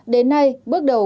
đến nay bước đầu